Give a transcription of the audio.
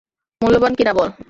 মূল্যবান কি না বল?